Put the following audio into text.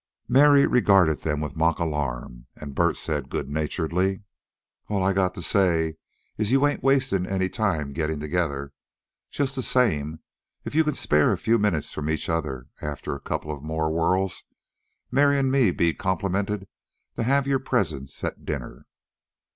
Mary regarded them with mock alarm, and Bert said good naturedly: "All I got to say is you ain't wastin' any time gettin' together. Just the same, if' you can spare a few minutes from each other after a couple more whirls, Mary an' me'd be complimented to have your presence at dinner."